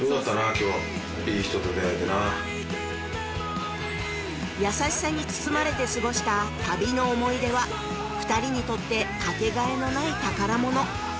きょういい人と出会えてな優しさに包まれて過ごした旅の思い出は二人にとって「かけがえのない宝物」